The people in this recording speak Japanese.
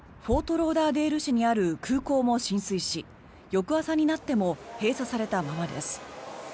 ローダーデール市にある空港も浸水し翌朝になっても閉鎖されたままです。